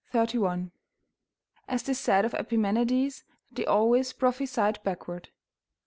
31.] as 'tis said of Epimenides, that he always prophesied backward.